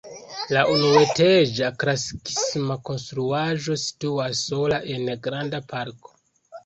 La unuetaĝa klasikisma konstruaĵo situas sola en granda parko.